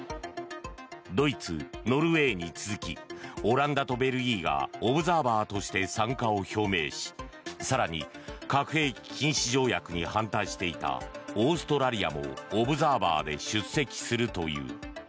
ドイツ、ノルウェーに続きオランダとベルギーがオブザーバーとして参加を表明し更に、核兵器禁止条約に反対していたオーストラリアもオブザーバーで出席するという。